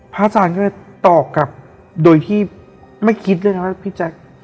พระอาจารย์ก็เลยตอบกลับโดยที่ไม่คิดเลยนะพี่แจ็ค